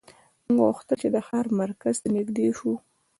موږ غوښتل چې د ښار مرکز ته نږدې اوسو